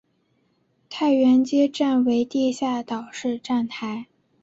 太原街站为地下岛式站台。